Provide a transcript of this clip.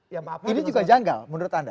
ini juga janggal menurut anda